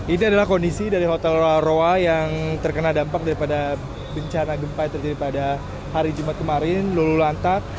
ini adalah kondisi dari hotel roa roa yang terkena dampak daripada bencana gempa yang terjadi pada hari jumat kemarin lulu lantak